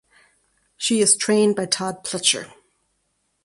She is trained by Todd Pletcher.